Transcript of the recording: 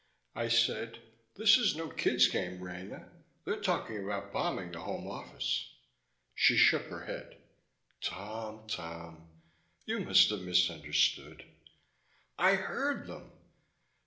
I said, "This is no kid's game, Rena! They're talking about bombing the Home Office!" She shook her head. "Tom, Tom. You must have misunderstood." "I heard them!"